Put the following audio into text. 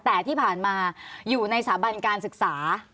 แต่ที่ผ่านมาอยู่ในสถาบันการศึกษา